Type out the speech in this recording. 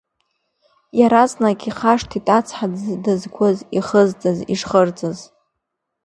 Иаразнак ихашҭит ацҳа дызқәыз, ихызҵаз, ишхырҵаз…